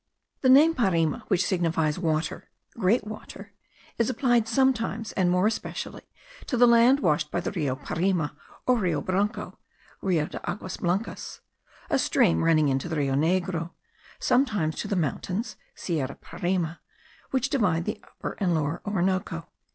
*(* The name Parima, which signifies water, great water, is applied sometimes, and more especially, to the land washed by the Rio Parima, or Rio Branco (Rio de Aguas Blancas), a stream running into the Rio Negro; sometimes to the mountains (Sierra Parima), which divide the Upper and Lower Orinoco.)